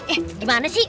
eh gimana sih